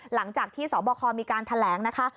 หลังจากที่สบคมีการแถลงนะคะ